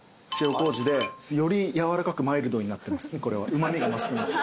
うま味が増してます。